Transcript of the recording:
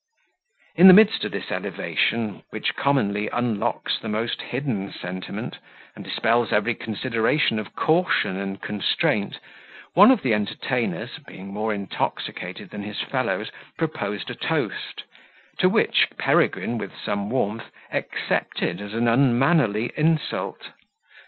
In the midst of this elevation, which commonly unlocks the most hidden sentiment, and dispels every consideration of caution and constraint, one of the entertainers, being more intoxicated than his fellows, proposed a toast, to which Peregrine, with some warmth, excepted as an unmannerly insult.